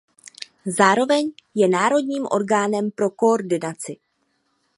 Zároveň je národním orgánem pro koordinaci.